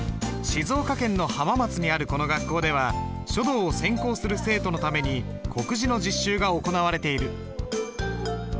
静岡県の浜松にあるこの学校では書道を専攻する生徒のために刻字の実習が行われている。